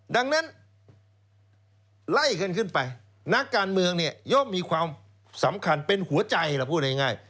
ดังนั้นไล่กันขึ้นไปนักการเมืองเนี่ยย่อมมีความสำคัญเป็นหัวใจล่ะพูดง่าย